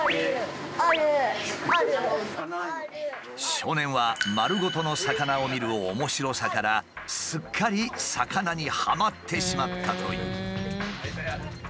少年は丸ごとの魚を見る面白さからすっかり魚にハマってしまったという。